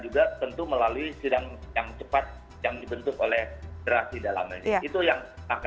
juga tentu melalui sidang yang cepat yang dibentuk oleh deras di dalamnya